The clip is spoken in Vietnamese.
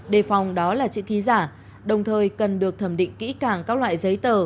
đề phòng đó là chữ ký giả đồng thời cần được thẩm định kỹ càng các loại giấy tờ